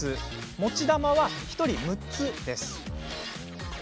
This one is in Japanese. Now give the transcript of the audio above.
持ち球は１人６つです。